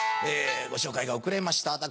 ご紹介が遅れました。